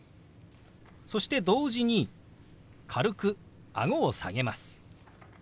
そして同時に軽くあごを下げます。